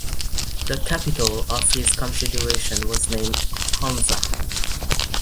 The capital of his confederation was named "Hunza".